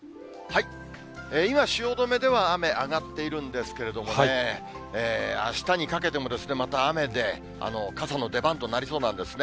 今、汐留では、雨上がっているんですけれどもね、あしたにかけてもまた雨で、傘の出番となりそうなんですね。